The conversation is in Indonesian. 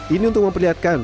ini untuk memperlihatkan